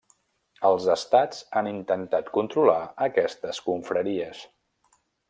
Els estats han intentat controlar aquestes confraries.